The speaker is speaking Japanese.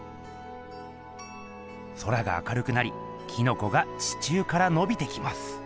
空が明るくなりキノコが地中からのびてきます。